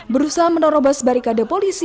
berusaha menerobos barikade polisi